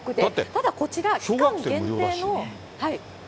ただこちら、期間限定の。